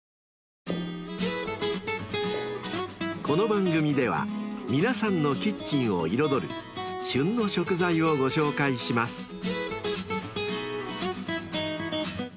［この番組では皆さんのキッチンを彩る「旬の食材」をご紹介します］